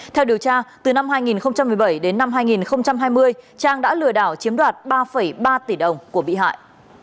theo điều tra từ năm hai nghìn một mươi bảy đến năm hai nghìn hai mươi trang đã lừa đảo chiếm đoạt ba ba tỷ đồng của bị hại